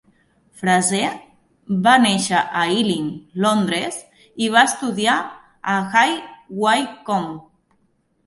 Fraser va néixer a Ealing, Londres i va estudiar a High Wycombe.